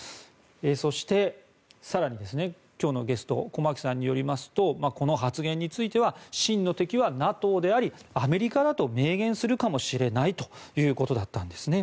そして更に、今日のゲスト駒木さんによりますとこの発言については真の敵はＮＡＴＯでありアメリカだと明言するかもしれないということだったんですね。